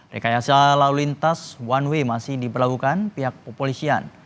rekayasa lalu lintas one way masih diberlakukan pihak kepolisian